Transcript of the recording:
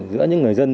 giữa những người dân